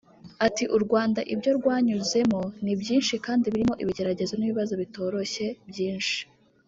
Ati ”U Rwanda ibyo rwanyuzemo ni byinshi kandi birimo ibigeragezo n’ibibazo bitoroshye byinshi